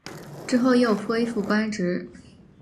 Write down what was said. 之后又恢复官职。